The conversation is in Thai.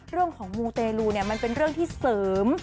มูเตลูเนี่ยมันเป็นเรื่องที่เสริม